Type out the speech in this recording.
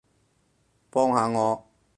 幫下我